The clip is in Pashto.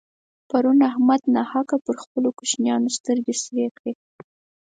پرون احمد ناحقه پر خپلو کوشنيانو سترګې سرې کړې.